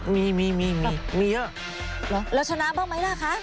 มีมีมีเยอะแล้วชนะบ้างไหมล่ะคะ